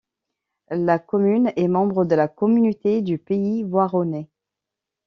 La commune est membre de la communauté du Pays Voironnais.